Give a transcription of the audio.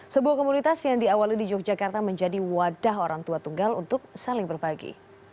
sebuah komunitas yang diawali di yogyakarta menjadi wadah orang tua tunggal untuk saling berbagi